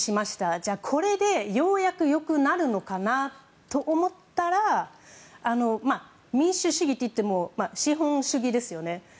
じゃあ、これでようやく良くなるのかなと思ったら民主主義といっても資本主義ですよね。